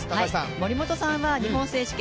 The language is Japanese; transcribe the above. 森本さんは日本選手権